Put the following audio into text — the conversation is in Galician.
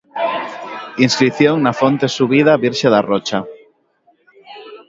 Inscrición na fonte subida Virxe da Rocha.